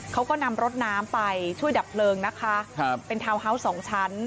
เขาก็นำรถน้ำไปช่วยดับเพลิงนะคะครับเป็นทาวน์ฮาวส์สองชั้น